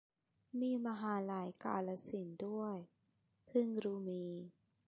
มีมหาวิทยาลัยกาฬสินธ์ด้วย เพิ่งรู้มี